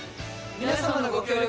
皆様のご協力